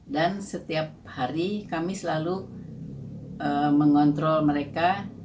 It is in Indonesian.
dan setiap hari kami selalu mengontrol mereka